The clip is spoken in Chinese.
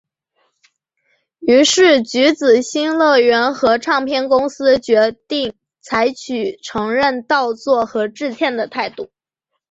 于是橘子新乐园和唱片公司决定采取承认盗作和致歉的态度。